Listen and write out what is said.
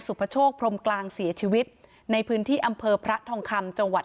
พโชคพรมกลางเสียชีวิตในพื้นที่อำเภอพระทองคำจังหวัด